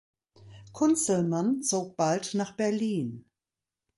Kunzelmann zog bald nach Berlin.